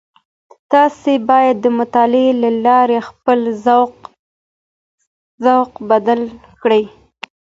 تاسو بايد د مطالعې له لاري خپل ذوق بدل کړئ.